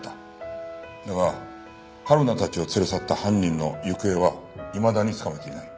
だがはるなたちを連れ去った犯人の行方はいまだにつかめていない。